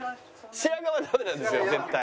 白髪はダメなんですよ絶対。